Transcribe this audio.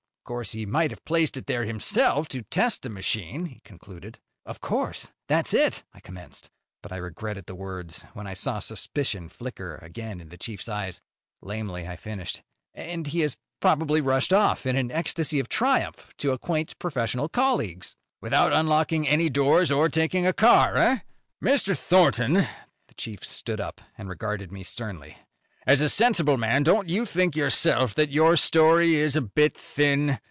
Of course, he might have placed it there himself to test the machine," he concluded. "Of course, that's it," I commenced. But I regretted the words when I saw suspicion flicker again in the chief's eyes. Lamely I finished, "And he has probably rushed off, in an ecstasy of triumph, to acquaint professional colleagues." "Without unlocking any doors or taking a car, eh? "Mr. Thornton." The chief stood up and regarded me sternly. "As a sensible man, don't you think yourself that your story is a bit thin?